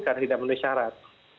karena tidak menunjukkan syarat